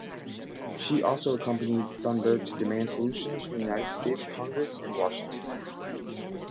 She also accompanied Thunberg to demand solutions from the United States Congress in Washington.